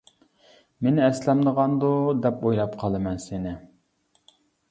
مېنى ئەسلەمدىغاندۇ دەپ ئويلاپ قالىمەن سېنى.